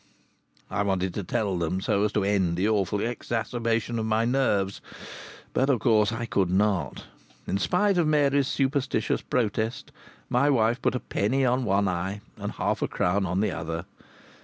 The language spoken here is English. I wanted to tell them, so as to end the awful exacerbation of my nerves. But of course I could not. In spite of Mary's superstitious protest, my wife put a penny on one eye and half a crown on the other.